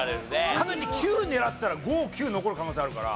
かといって９狙ったら５９残る可能性あるから。